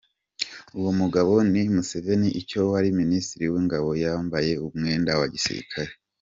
Uwo mugabo ni Museveni icyo wari Minisitiri w’ Ingabo yambaye umwenda wa gisirikare.